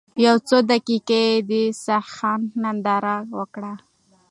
يو څو دقيقې يې دا صحنه ننداره وکړه.